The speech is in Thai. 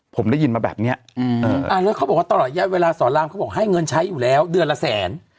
ผมได้ยินมาแบบเนี้ยอืมอ่าแล้วเขาบอกว่าตลอดเวลาสอนรามเขาบอกให้เงินใช้อยู่แล้วเดือนละแสน